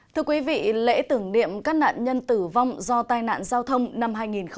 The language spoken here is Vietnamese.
thưa quý vị lễ tưởng niệm các nạn nhân tử vong do tai nạn giao thông năm hai nghìn một mươi chín